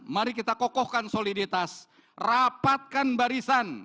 mari kita kokohkan soliditas rapatkan barisan